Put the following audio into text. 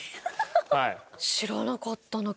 知らなかったな。